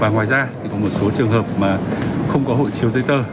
và ngoài ra thì có một số trường hợp mà không có hội chiếu dây tơ